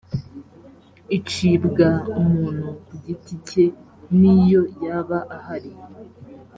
icibwa umuntu ku giti cye n’iyo yaba ahari